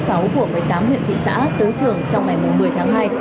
của một mươi tám huyện thị xã tới trường trong ngày một mươi tháng hai